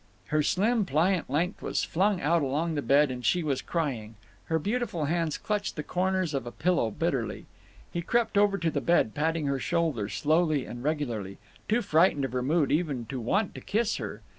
Her slim pliant length was flung out along the bed, and she was crying. Her beautiful hands clutched the corners of a pillow bitterly. He crept over to the bed, patting her shoulder, slowly and regularly, too frightened of her mood even to want to kiss her.